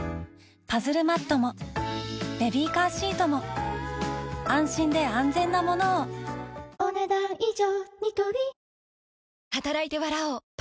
パズルマットもベビーカーシートも安心で安全なものをお、ねだん以上。